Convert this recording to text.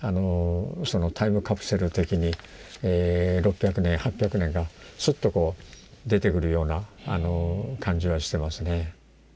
タイムカプセル的に６００年８００年がスッとこう出てくるような感じはしてますね。